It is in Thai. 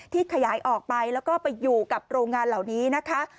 ขยายออกไปแล้วก็ไปอยู่กับโรงงานเหล่านี้นะคะ